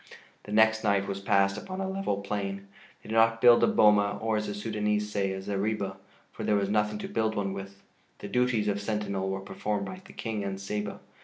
The next night was passed upon a level plain. They did not build a boma, or, as the Sudânese say, a zareba, for there was nothing to build one with. The duties of sentinel were performed by the King and Saba.